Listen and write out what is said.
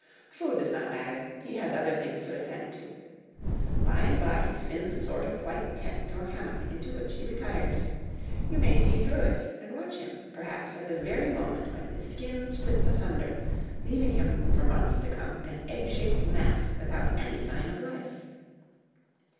Food does not matter he has other things to attend to. By and by he spins a sort of white tent or hammock, into which he retires ; you may see through it and watch him, perhaps at the very moment when his skin splits asunder, leaving him, for months to come, an egg shaped mass without any sign of life.